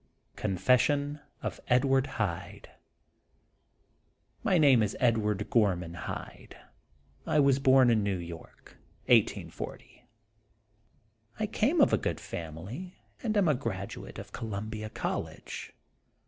CONFESSION OF EDWARD HYDE. My name is Edward Gorman Hyde. I was born in New York, in 1840. I came 28 The Untold Sequel of of a good family, and am a graduate of Columbia College.